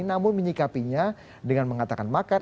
namun menyikapinya dengan mengatakan makar